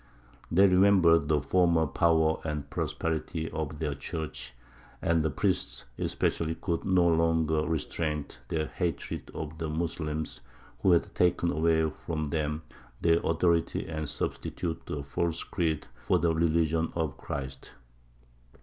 They remembered the former power and prosperity of their church, and the priests especially could no longer restrain their hatred of the Moslems who had taken away from them their authority and substituted a false creed for the religion of Christ.